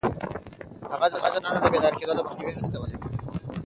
هغه د ځوانانو د بې لارې کېدو د مخنيوي هڅې کولې.